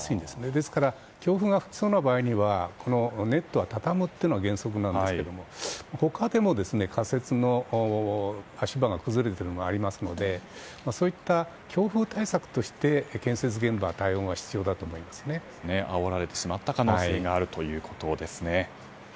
ですから強風が吹きそうな場合にはネットを畳むことが原則ですが他でも仮設の足場が崩れていることもありますのでそういった強風対策として建設現場は対応が必要だとあおられてしまった可能性があるということです。